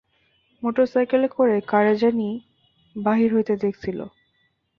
মোটরসাইকেলে করে কারে জানি বাইর হইতে দেখসিল।